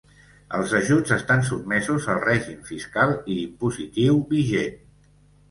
Els ajuts estan sotmesos al règim fiscal i impositiu vigent.